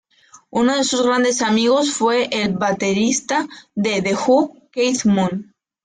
Uno de sus grandes amigos fue el baterista de The Who, Keith Moon.